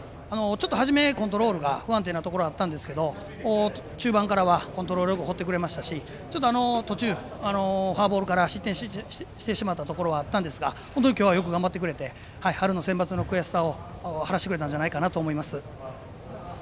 はじめコントロール不安なところありましたが中盤からはコントロールよく放ってくれましたし、途中フォアボールから失点してしまったところはあったんですが本当に今日は頑張ってくれて春のセンバツの悔しさを晴らしてくれたんじゃないかと思います。